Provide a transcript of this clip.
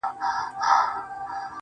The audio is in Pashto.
خو زه بيا داسي نه يم.